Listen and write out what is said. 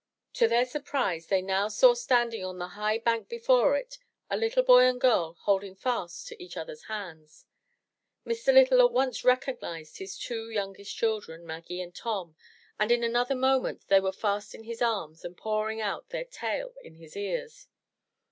To their surprise they now saw standing on the high bank before it a little boy and girl holding fast to each others* hands. Mr. Lytle at once recognized his two youngest children, Maggie and Tom, and in another moment they were fast in his arms and pouring out their tale in his ears.